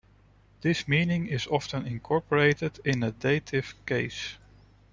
This meaning is often incorporated in a dative case.